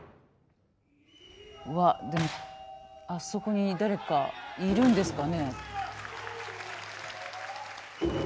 うわっあそこに誰かいるんですかね。